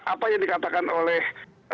apa yang dikatakan oleh